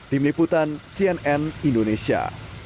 tim liputan cnn indonesia